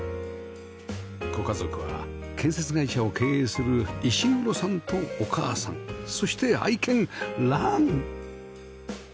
ご家族は建設会社を経営する石黒さんとお母さんそして愛犬ラン